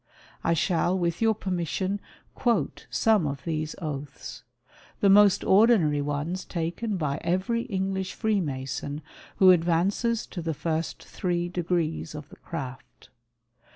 I shall with your permission quote some of these oaths — the most ordinary ones taken by every English Freemason who advances to tlie first three degrees of the Craft.